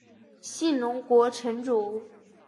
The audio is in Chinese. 信浓国城主。